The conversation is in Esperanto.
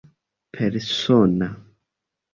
persona